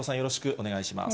お願いします。